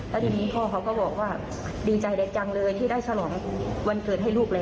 แล้วทีนี้พ่อเขาก็บอกว่าดีใจได้จังเลยที่ได้ฉลองวันเกิดให้ลูกแล้ว